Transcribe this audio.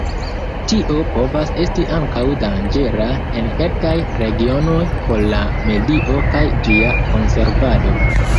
Tio povas esti ankaŭ danĝera en kelkaj regionoj por la medio kaj ĝia konservado.